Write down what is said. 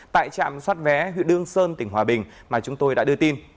tại trạm xoát vé huyện đương sơn tỉnh hòa bình mà chúng tôi đã đưa tin